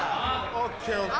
ＯＫＯＫ。